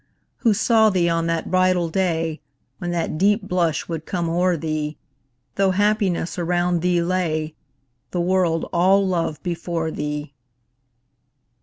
Who saw thee on that bridal day, When that deep blush would come o'er thee, Though happiness around thee lay, The world all love before thee.